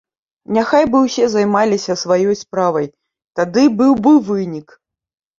Няхай бы ўсе займаліся сваё справай, тады быў бы вынік.